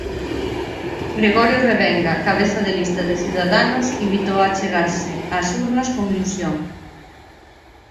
Gregorio Revenga, cabeza de lista de Ciudadanos, invitou a achegarse ás urnas con ilusión.